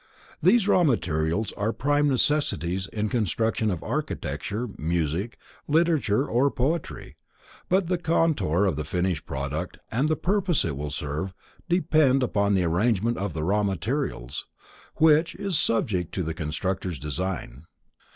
These raw materials are prime necessities in construction of architecture, music, literature or poetry, but the contour of the finished product and the purpose it will serve depends upon the arrangement of the raw materials, which is subject to the constructor's design.